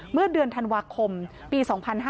เมื่อเดือนธันวาคมปี๒๕๕๙